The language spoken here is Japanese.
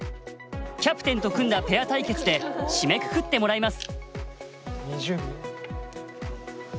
キャプテンと組んだペア対決で締めくくってもらいます。